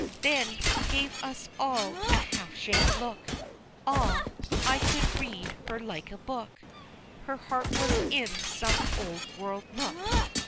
Then, gave us all a half shamed look, Ah, I could read her like a book, Her heart was in some old world nook.